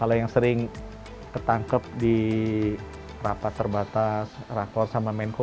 kalau yang sering ketangkep di rapat terbatas rapor sama menko